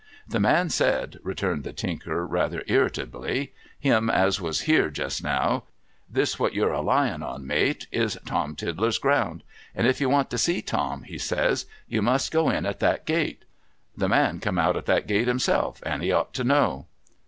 ' The man said,' returned the Tinker, rather irritably, —' him as was here just now, —" this what you're a lying on, mate, is Tom Tiddler's ground. And if you want to see Tom," he says, " you must go in at that gate." The man come out at that gate himself, and he ought to know.'